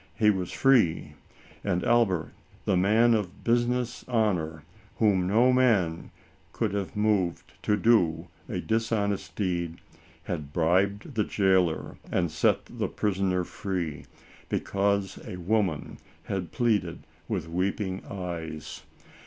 He was free ; and Albert, the man of business honor, whom no man could have moved to do a dishonest deed, had bribed the jailor and set the prisoner free, because a woman had pleaded, with weeping eyes.